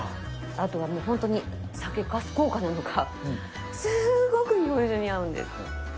あとはもう本当に酒かす効果なのか、すごく日本酒に合うんですよ。